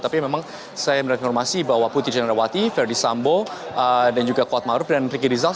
tapi memang saya mendapat informasi bahwa putri jenarawati ferdi sambo dan juga kod maruf dan riki rizal